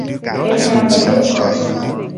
Enya me ne ko.